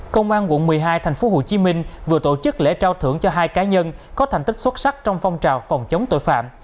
công an quận một mươi hai thành phố hồ chí minh vừa tổ chức lễ trao thưởng cho hai cá nhân có thành tích xuất sắc trong phong trào phòng chống tội phạm